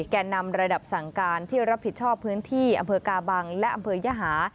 แก่นำระดับสั่งการที่รับผิดชอบพื้นที่อำเภอกาบังและอำเภอยหา